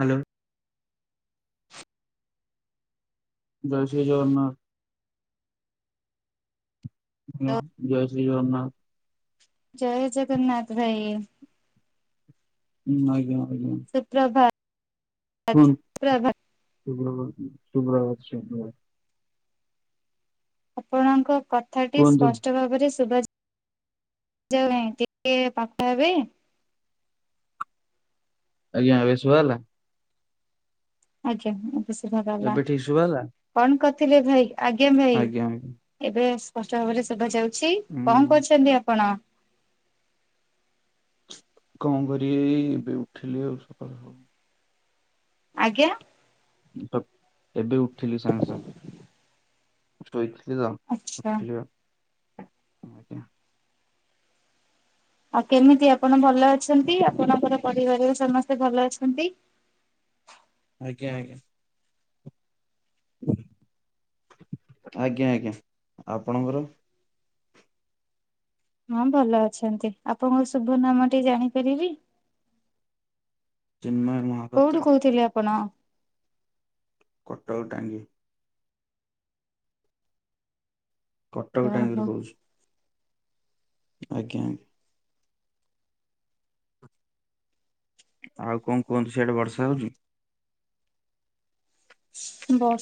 Hello. ଜୟ ଶ୍ରୀ ଜଗନ୍ନାଥ। ହଁ ଜୟ ଶ୍ରୀ ଜଗନ୍ନାଥ। ଜୟ ଜଗନ୍ନାଥ ଭାଇ। ହୁଁ ଆଜ୍ଞା ଆଜ୍ଞା। ସୁ ପ୍ରଭତ ସୁ ପ୍ରଭାତ। ସୁ ପ୍ରଭାତ ସୁ ପ୍ରଭାତ ସୁ ପ୍ରଭାତ। ଆପଣଙ୍କ କଥାଟି କୁହନ୍ତୁ ସ୍ପଷ୍ଟ ଭାବରେ ଶୁଭ ଭାଇ ଟିକେ ପାଖ ହେବେ। ଆଜ୍ଞା ଏବେ ଶୁଭା ହେଲା। ଆଜ୍ଞା ବେଶୀ ଭଲ ହେଲା ଏବେ ଠିକ ଶୁଭାଗଲା କଣ କରିଥିଲେ ଭାଇ ଆଜ୍ଞା ଭାଇ। ଆଜ୍ଞା ଆଜ୍ଞା ଏବେ ସ୍ପଷ୍ଟ ଭାବରେ ଶୁଭା ଯାଉଛି ହୁଁ କଣ କରଛନ୍ତି ଆପଣ? କଣ କରିବି ଏବେ ଉଠିଲେ ଆଉ ସକାଳ ହବ। ଆଜ୍ଞା। ଏବେ ଉଠିଲି ସାଙ୍ଗେ ସାଙ୍ଗେ ଶୋଇଥିଲି ତ। ଆଚ୍ଛା [unintelligible] ଆଉ କେମିତି ଆପଣ ଭଲ ଅଛନ୍ତି ଆପଣଙ୍କର ପରିବାରରେ ସମସ୍ତେ ଭଲ ଅଛନ୍ତି। ଆଜ୍ଞା ଆଜ୍ଞା। ଆଜ୍ଞା ଆଜ୍ଞା ଆପଣଙ୍କର। ହଁ ଭଲ ଅଛନ୍ତି ଆପଣଙ୍କ ଶୁଭ ନାମ ଟିକେ ଜାଣିପାରିବି। ଚିନ୍ମୟ ମହାପାତ୍ର କୋଉଠୁ କହୁଥିଲେ ଆପଣ? କଟଳ ଟାଙ୍ଗି କଟକ ଟାଙ୍କରେ ଓହୋ କହୁଛି। ଆଜ୍ଞା। ଆଉ କଣ କୁହନ୍ତୁ ସିଆଡେ ବର୍ଷା ହଉଛି।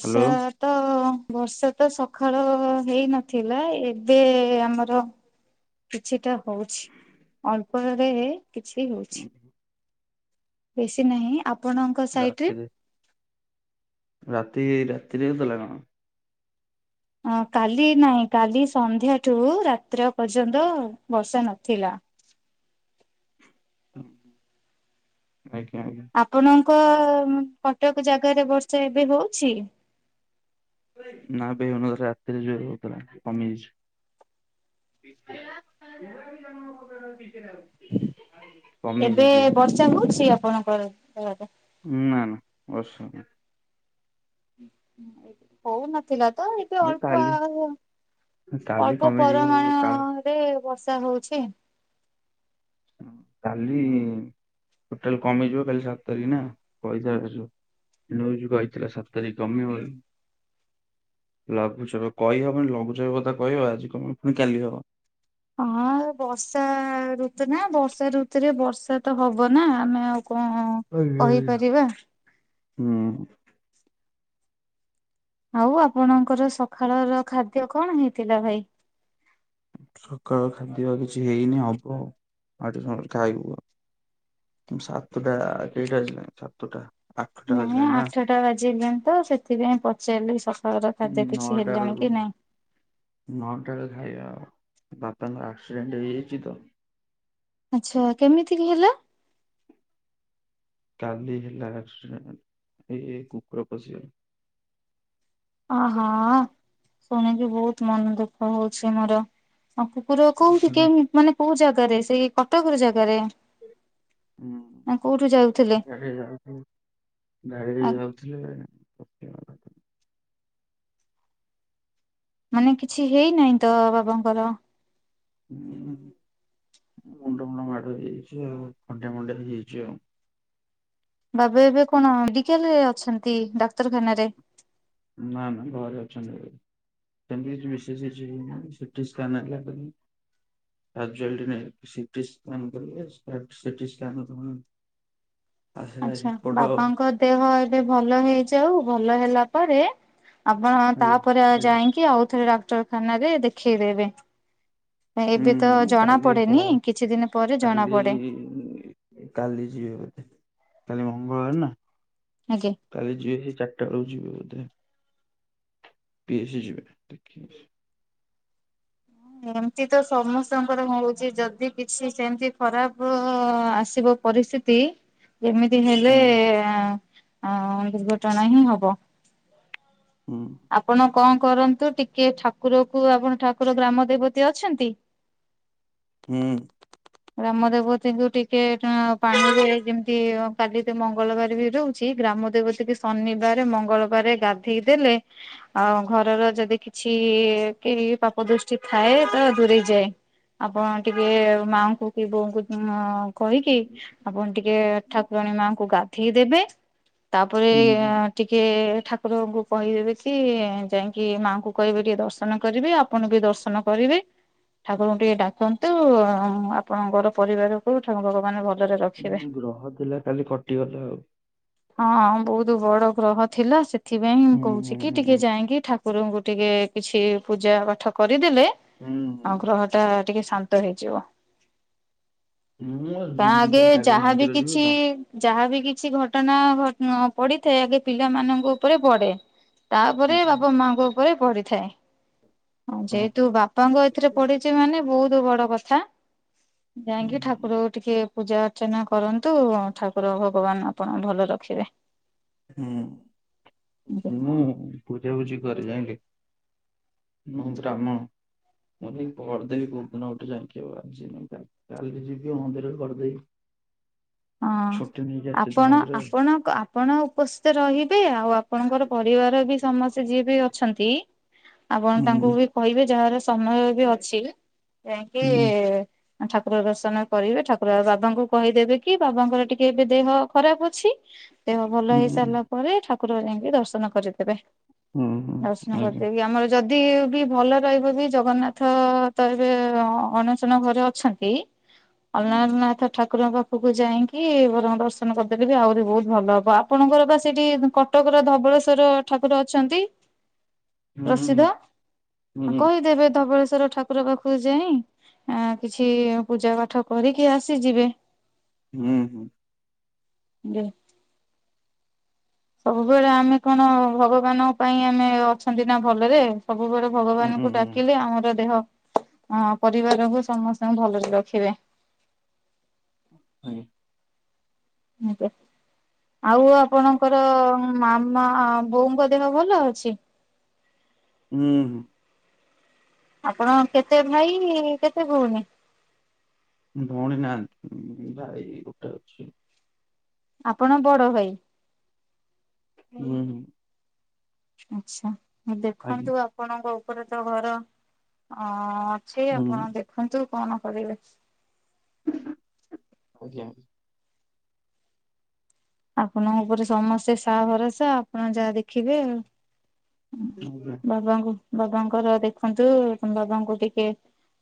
ହ୍ୟାଲୋ ତ ବର୍ଷା ତ ସକାଳ ହେଇନଥିଲା ଏବେ ଆମର କିଛିଟା ହଉଛି ଅଳ୍ପରେ କିଛି ହଉଛି। ବେଶୀ ନାହିଁ ଆପଣଙ୍କ ସାଇଟ୍ ରେ ରାତିରେ ରାତି ରାତିରେ କେ ହେଇଥିଲା କଣ? ଅ କାଲି ନାଇଁ କାଲି ସନ୍ଧ୍ୟାଠୁ ରାତ୍ର ପର୍ଯ୍ୟନ୍ତ ବର୍ଷା ନଥିଲା। ଆଜ୍ଞା ଆଜ୍ଞା। ଆପଣଙ୍କ କଟକ ଜାଗାରେ ବର୍ଷା ଏବେ ହଉଛି। ନା [unintelligible] ରାତିରେ ଯ ହଉଥିଲା କମିଯାଇଛି। [unintelligible] ଏବେ ବର୍ଷା ହଉଛି ଆପଣଙ୍କ ଜାଗାରେ। ନା ନା [unintelligible] ହଉନଥିଲା ତ ଏ ଏ ନାହିଁ ଅଳ୍ପ କାଲି କାଲି ଅଳ୍ପ କମିଯିବ ପରିମାଣ କା ରେ ବର୍ଷା ହଉଛି କାଲି ଟୋଟାଲ୍ କମିଯିବ କାଲି ସାତ୍ ତାରିଖ ନା ପଇସାର ନଉ ଯୁ କହିଥିଲା ସାତ୍ ତାରିଖ୍ କମିିବ ବୋଲି। ଲଘୁଚପ କହିହବନି ଲଘୁଚାପ କଥା କହିହବ ଆଜି କମିବ ପୁଣି କାଲି ହବ। ହଁ ବର୍ଷା ଋତୁ ନା ବର୍ଷା ଋତୁରେ ବର୍ଷା ତ ହବ ନା ଆମେ ଆଉ କଣ ଆଜ୍ଞା ଆଜ୍ଞା କହିପାରିବା ହୁଁ ଆଉ ଆପଣଙ୍କର ସକାଳ ର ଖାଦ୍ୟ କଣ ହେଇଥିଲା ଭାଇ? ସକାଳ ଖାଦ୍ୟ କିଛି ହେଇନି ହବ ଆଉ ଟିକେ ପରେ ଖାଇବୁ ଆଉ ସାତୁ ଟା କେଇଟା ବାଜିଲା ସାତୁ ଟା ନାଇଁ ଆଠଟା ବାଜିଲା ତ ସେଥିପାଇଁ ପଚାରିଲି ସ ଘର ଖାଦ୍ୟ କିଛି ନଅଟା ହେଲାଣି ବେଳୁ କି ନାଇଁ। ନଅଟା ଖାଇବା ବାପାଙ୍କର ଆକ୍ସିଡେଣ୍ଟ ହେଇଯାଇଛି ତ ଆଚ୍ଛା କେମିତି ହେଲା? କାଲି ହେଲା ଆକ୍ସିଡ଼େଣ୍ଟ ଏଇ କୁକୁର ପଶିଗଲା ଅହ ଶୁଣିକି ବହୁତ ମନ ଦୁଃଖ ହଉଛି ମୋର। ହଉ କୁକୁର କୋଉଠି କେ ହୁଁ। ମାନେ କୋଉ ଜାଗାରେ ସେଇ କଟକର ଜାଗାରେ। ନା ହୁଁ କୋଉଠୁ ଯାଉଥିଲେ? [unintelligible] ଗ ଗାଡ଼ିରେ ଆ ଯାଉ ବଝ [unintelligible] ମାନେ କିଛି ହେଇନାହିଁ ତ ବାବାଙ୍କର ହଁ ମୁଣ୍ଡ ମୁଣ୍ଡ ମାଡ ହେଇଯାଇଛି ଆଉ ଖଣ୍ଡିଆ ମଣ୍ଡିଆ ହେଇଯାଇଛି ଆଉ ବାବା ଏବେ କଣ ମେଡିକାଲରେ ଅଛନ୍ତି ଡାକ୍ତରଖାନ ରେ ନା ନା ଘରେ ଅଛନ୍ତି ଏବେ [unintelligible] ସିଟି ସ୍କାନ୍ ହେଲା ପରେ [unintelligible] ି ଆସିଲା ଆଚ୍ଛା ରିପଟ ବାବାଙ୍କ ଦେହ ଏବେ ଭଲ ହେଇଯାଉ ଭଲ ହେଲା ପରେ ଆପଣ ଆଜ୍ଞା ତାପରେ ଆଜ୍ଞା। ଯାଇକି ଆଉ ଥରେ ଡାକ୍ତରଖାନରେ ଦେଖେଇଦବେ। ଏବେ ତ ହୁଁ ଜଣା କାଲି ପ ପଡେନି କିଛି ଦିନ ପରେ ଜଣା କାଲି ପଡେ। କାଲି ଯିବେ ବୋଧେ, କାଲି ମଙ୍ଗଳବାର ନା। ଆଜ୍ଞା। କାଲି ଯିବେ ସେ ଚାରିଟା ବେଳକୁ ଯିବେ ବୋଧେ, ବିଏସି ଯିବେ। [unintelligible] ଏମତି ତ ସମସ୍ତଙ୍କର ହଉଛି ଯଦି କିଛି ସେମିତି ଖରାପ ଆସିବ ପରିସ୍ଥିତି ଯେମିତି ହେଲେ ହୁଁ ଦୁର୍ଘଟଣା ହିଁ ହବ। ହଁ। ଆପଣ କଣ କରନ୍ତୁ ଟିକେ ଠାକୁରକୁ ଆପଣ ଠାକୁର ଗ୍ରାମ ଦେବତୀ ଅଛନ୍ତି? ହୁଁ। ଗ୍ରାମ ଦେବତୀଙ୍କୁ ଟିକେ ପାଣିରେ ଯେମିତି କାଲି ତୁ ମଙ୍ଗଳବାରେ ରହୁ ଗ୍ରାମ ଦେବତୀ ଙ୍କୁ ଶନିବାର ମଙ୍ଗଳବାରେ ଗାଧେଇ ଦେଲେ ଆଉ ଘରର ଯଦି କିଛି କେ ପାପ ଦୃଷ୍ଟି ଥାଏ ତ ଦୂରେଇ ଯାଏ, ଆପଣ ଟିକେ ମା କି ବୋଉଙ୍କୁ କହିକି ଆପଣ ଟିକେ ଠାକୁରାଣୀ ମାଙ୍କୁ ଗାଧେଇ ଦେବେ, ତାପରେ ହୁଁ। ଟିକେ ଠାକୁରଙ୍କୁ କହିଦେବେ କି ଯାଇକି ମାଙ୍କୁ କହିବେ ଟିକେ ଦର୍ଶନ କରିବେ, ଆଉ ଆପଣଙ୍କୁ ବି ଦର୍ଶନ କରିବେ। ହ ଠାକୁରଙ୍କୁ ଟିକେ ଡାକନ୍ତୁ ଆପଣଙ୍କର ପରିବାରକୁ ଠାକୁର [unintelligible] ଭଲ ଗ୍ରହ ଥିଲା କାଲି କଟିଗଲା ଆଉ। ହଁ ବହୁତ ବଡ ଗ୍ରହ ଥିଲା ସେଥିପାଇଁ ମୁଁ ହୁଁ କହୁଛି ହୁଁ କି ହୁଁ ଟିକେ ହୁଁ ଯାଇକି ଠାକୁ ଗୁରୁଙ୍କୁ ଟିକେ କିଛି ପୂଜା ପାଠ କରିଦେଲେ ହୁଁ ଆଉ ଗ୍ରହ ହେଇଟା ଟିକେ ଶାନ୍ତ ହେଇଯିବ। [unintelligible] କା ଆଗେ ବା କାଲି ଯାହାବି ମନ୍ଦିର ଯିବି କିଛି ତ। କେ ଯାହାବି କିଛି ଘଟଣା ଘ ପଡିଥାଏ ଆଗେ ପିଲାମାନଙ୍କ ଉପରେ ପଡେ। ହୁଁ ତାପରେ ବାପା ମାଙ୍କ ଉପରେ ପଢିଥାଏ। ହଁ ହୁଁ ଯେହେତୁ ବାପାଙ୍କ ଏଥିରେ ପଡିଚି ମାନେ ବହୁତ ବଡ କଥା ଯାଇକି ଠା ହୁଁ ଠାକୁରକୁ ଟିକେ ପୂଜା ଅର୍ଚ୍ଚନା କରନ୍ତୁ ଠାକୁର ଭଗବାନ ଆପଣ ଭଲ ରଖିବେ। ହୁଁ ହଁ ମୁଁ ପୂଜାବୁଜିି କରେ ଜାଣି [unintelligible] [unintelligible] ମୁଁ ନାଇଁ କରିଦେବୀ [unintelligible] କୋଉ ଦିନ ଯାଇକି ଆଉ ଆଜି [unintelligible] କାଲି ଯିବି ମନ୍ଦିରେ କରିଦବି। ହଁ ଆସିଛି ତ ଆପଣ ମନ୍ଦିରରେ। ଆପଣ ଆ ଆପଣ ଉପସ୍ଥିତ ରହିବେ ଆଉ ଆପଣଙ୍କର ପରିବାର ବି ସମସ୍ତେ ଯିଏ ବି ଅଛନ୍ତି ଆପଣ ହୁଁ ତାଙ୍କୁ ବି କହିବେ ଯାହାର ସମୟ ବି ଅଛି ଯାଇକି ହୁଁ ଠାକୁର ଦର୍ଶନ କରିବେ, ଠାକୁର ବାବାଙ୍କୁ କହିଦେବେ କି ବାବାଙ୍କର ଟିକେ ଏବେ ଦେହ ଖରାପ ଅଛି ଦେହ ଭଲ ହୁଁ ହେଇ ସାରିଲା ପରେ ଠା ଠାକୁର ଯାଇକି ଦର୍ଶନ କରିଦେବେ, ହୁଁ ହୁଁ ଦର୍ଶନ ଆଜ୍ଞା। କରିଦେଇକି ଆମର ଯଦି ବି ଭଲ ରହିବ ବି ଜଗନ୍ନାଥ ତ ଏବେ ଅଣସର ଘରେ ଅଛନ୍ତି। ହୁଁ [unintelligible] ଠାକୁରଙ୍କ ପାକୁ ଯାଇକି ଦର୍ଶନ କରିଦେଲେ ବି ଆହୁରି ବହୁତ ଭଲ ହବ, ଆପଣଙ୍କର ବା ସେଇଠି କ କଟକର ଧବଳେଶ୍ଵର ଠାକୁର ଅଛନ୍ତି। [inaudible] ପ୍ରସିଦ୍ଧ ହୁଁ ହୁଁ ହୁଁ କହିଦେବେ ଧବଳେଶ୍ଵର ଠା ଠାକୁର ପାଖକୁ ଯାଇଁ ଆ କିଛି ପୂଜା ପାଠ କରିକି ଆସି ଯିବେ। ହୁଁ ହୁଁ। [unintelligible] ସବୁବେଳେ ଆମେ କଣ ଭଗବାନଙ୍କ ପାଇଁ ଆମେ ଅଛନ୍ତି ନା ଭଲରେ ସବୁବେଳେ ହୁଁ ଭଗବାନଙ୍କୁ ହୁଁ ଡାକିଲେ ଆମର ଦେହ ଅ ପରିବାରକୁ ସମସ୍ତଙ୍କୁ ଭଲରେ ରଖିବେ। [inaudible] ମୁଁ ପା। ଆଉ ଆପଣଙ୍କର ମାମା ବୋଉଙ୍କ ଦେହ ଭଲ ଅଛି? ଉଁ ହୁଁ। ଆପଣ କେତେ ଭାଇ କେତେ ଭଉଣୀ? ଭଉଣୀ ନାହାନ୍ତି ଭାଇ ଗୋଟେ ଅଛି। ଆପଣ ବଡ ଭାଇ। ହୁଁ ହୁଁ। ଆଛା ଆଜ୍ଞା ଦେଖନ୍ତୁ ଆପଣଙ୍କ ଉପରେ ତ ଘର ଅ ଛି ହୁଁ ଆପଣ ଦେଖନ୍ତୁ କଣ କରିବେ। ଆଜ୍ଞା। ଆପଣଙ୍କ ଉପରେ ସମସ୍ତେ ସା ଭରସା ଆପଣ ଯାହା ଦେଖିବେ ଆଉ। ଉଁ [unintelligible] ବାବାଙ୍କୁ ବାବାଙ୍କର ଦେଖନ୍ତୁ ବାବାଙ୍କୁ ଟିକେ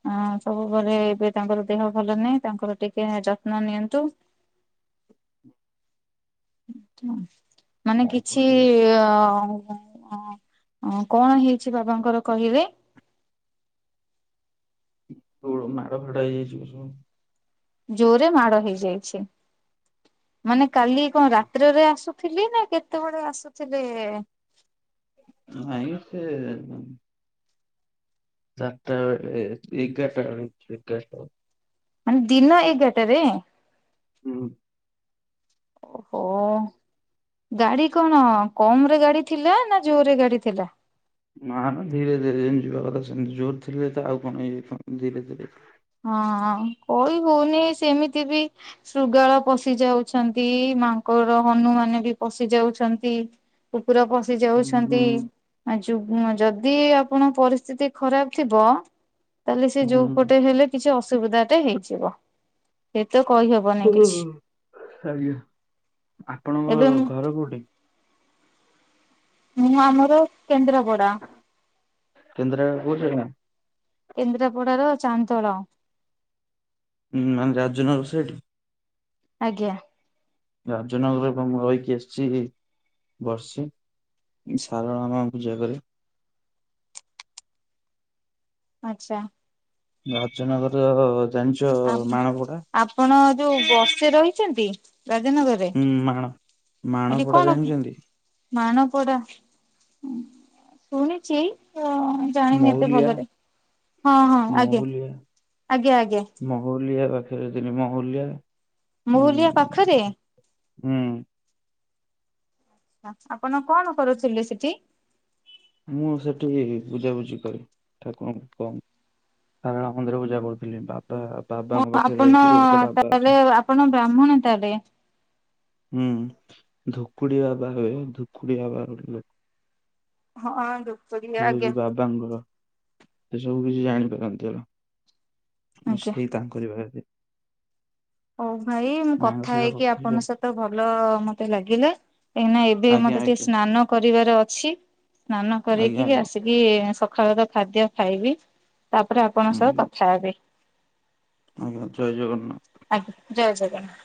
ହଁ ସବୁବେଳେ ଏବେ ତାଙ୍କର ଦେହ ଭଲ ନାହିଁ ତାଙ୍କର ଟିକେ ଯତ୍ନ ନିଅନ୍ତୁ। [unintelligible] ମାନେ କଣ କିଛି କରିବା ଆଉ ଓ କଣ ହେଇଛି ବାବାଙ୍କର କହିବେ। ଗୋଡ ମାଡ ଫାଡ ହେଇଯାଇଚି [unintelligible] ଜୋରେ ମାଡ ହେଇଯାଇଛି। ମାନେ କାଲି କଣ ରାତ୍ରରେ ଆସୁ ଥିଲେ ନା କେତେବେଳେ ଆସୁଥିଲେ ନାଇଁ ମ ସେ [unintelligible] ଚାରଟା ବେଳେ ଏଗାରଟା ବେଳେ ଏଗାରଟା ବେଳେ। ମାନେ ଦିନ ଏଗାରଟେରେ? ହୁଁ। ଓହୋ ଗାଡି କଣ କମ୍ ରେ ଗାଡି ଥିଲା ନା ଜୋରରେ ଗାଡି ଥିଲା। ନା ନା ଧୀରେ ଧୀରେ ଯିବା କଥା ସେମିତି ଜୋର ଥିଲେ ତ ଆଉ କଣ ହେଇଯାଇ [unintelligible] ଧୀରେ ଧୀରେ। ହଁ କହି ହଉନି ସେମିତି ବି। ଶୃଗାଳ ପଶି ଯାଉଛନ୍ତି ମାଙ୍କର ହନୁମାନେ ବି ପଶି ଯାଉଛନ୍ତି। କୁକୁର ପଶି ଯାଉଛନ୍ତି। ହୁଁ ଆ ଯୁଗ୍ମ ଯଦି ଆପଣ ପରିସ୍ଥିତି ଖରାପ ଥିବ ତାହେଲେ ସେ ଯୋଉ ପଟେ ହୁଁ ହେଲେ କିଛି ଅସୁବିଧା ଟେ ହେଇଯିବ। ହେଇତ କହିହବନି କିଛି ହୁଁ ଆଜ୍ଞା ଏବେ ଆପଣଙ୍କ ମୁଁ ଘର କୋଉଠି? ମୁଁ ଆମର କେନ୍ଦ୍ରାପଡା। କେନ୍ଦ୍ରାପଡ଼ା କୋଉ ଜାଗା? କେନ୍ଦ୍ରାପଡାର ଚାନତୋଳ। ହୁଁ ମାନେ ରାଜୁନ ର ସେଇଠି। ଆଜ୍ଞା। ରାଜନଗର ରେ ମୁଁ ରହିକି ଆସିଛି ବର୍ଷେ। ମୁଁ ସାରଳା ମା ପୂଜା କରେ। ଆଛା। ରାଜନଗର ଜାଣିଛ ଆ ମାଣପଡ଼ା? ଆପଣ ଯଉ ବସ୍ତିରେ ରହିଛନ୍ତି ରାଜନଗର? ହୁଁ ମାଣ ମାଣପଡ଼ା ଜାଣିଛନ୍ତି? ମାଣପଡ଼ା ଶୁଣିଛି। ଜାଣିନି ଏତେ ମହୁଲିଆ ଭଲରେ ହଁ ହଁ ଆଜ୍ଞା ମହୁଲିଆ ଆଜ୍ଞା ଆଜ୍ଞା। ମହୁଲିଆ ପାଖରେ ମହୁଲିଆ ହଁ ମହୁଲିଆ ପାଖରେ? ହୁଁ। ଆପଣ କଣ କରୁଥିଲେ ସେଠି? ମୁଁ ସେଠି ବୁଝାବୁଝି କରେ ଠାକୁରଙ୍କୁ ଧାରଣ ମନ୍ଦିର ପୂଜା କରୁଥିଲେ ବାପା। ଆପଣ ତାହେଲେ ଆପଣ ବ୍ରାହ୍ମଣ ତାହେଲେ? ହୁଁ ଧୁକୁଡ଼ି ବାବା ହୁଏ ଧୁକୁଡ଼ି ବାବା ହଁ ଧୂ ସେ ବାବାଙ୍କର ସେ ସବୁ କିଛି ଜାଣିପାରନ୍ତି ହେଲା। ଆଜ୍ଞା। ସେୟ ତାଙ୍କ ଜାଗାରେ। ହଉ ଭାଇ ମୁଁ କଥା ସେବା ହେଇକି କରୁଥିଲି ଆପଣଙ୍କ ସହିତ ଭଲ ମତେ ଲାଗିଲେ। କାହିଁକିନା ଏବେ ଆଜ୍ଞା ମତେ ଟିକେ ଆଜ୍ଞା ସ୍ନାନ କରିବାର ଅଛି ସ୍ନାନ ଆଜ୍ଞା କରିକି ଆଜ୍ଞା ଆସ କି ସକାଳ ତ ଖାଦ୍ୟ ଖାଇବି ତାପରେ ଆପଣଙ୍କ ସହ ଆଜ୍ଞା କଥା ହେବି। ଆଜ୍ଞା ଜୟ ଜଗନ୍ନାଥ। ଆଜ୍ଞା ଜୟ ଜଗନ୍ନାଥ।